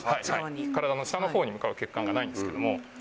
体の下のほうに向かう血管がないんですけども。